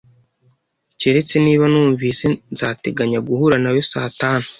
Keretse niba numvise, nzateganya guhura nawe saa tanu